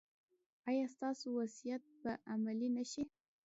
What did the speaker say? ایا ستاسو وصیت به عملي نه شي؟